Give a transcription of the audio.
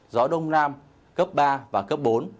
gió đông nam cấp ba và cấp bốn